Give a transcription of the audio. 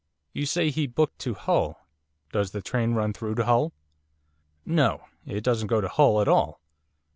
'You say he booked to Hull, does the train run through to Hull?' 'No it doesn't go to Hull at all.